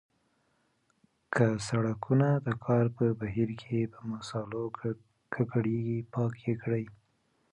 که سړکونه د کار په بهیر کې په مسالو ککړیږي پاک یې کړئ.